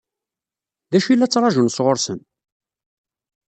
D acu i la ttṛaǧun sɣur-sen?